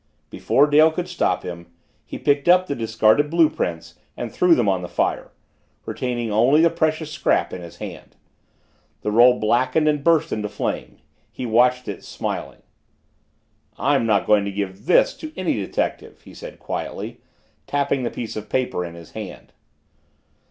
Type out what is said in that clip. Before Dale could stop him, he picked up the discarded blue prints and threw them on the fire, retaining only the precious scrap in his hand. The roll blackened and burst into flame. He watched it, smiling. "I'm not going to give this to any detective," he said quietly, tapping the piece of paper in his hand.